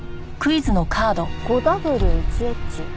「５Ｗ１Ｈ」？